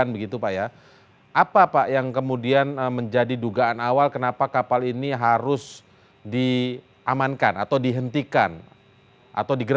berita terkini mengenai cuaca ekstrem dua ribu dua puluh satu di jepang